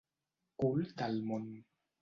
Cul del món.